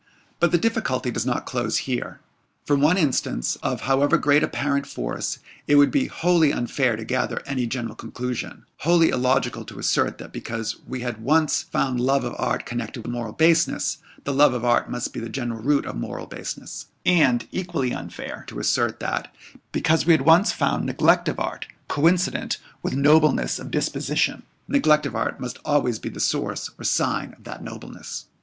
But the difficulty does not close here. From one instance, of however great apparent force, it would be wholly unfair to gather any general conclusion wholly illogical to assert that because we had once found love of art connected with moral baseness, the love of art must be the general root of moral baseness; and equally unfair to assert that, because we had once found neglect of art coincident with nobleness of disposition, neglect of art must be always the source or sign of that nobleness.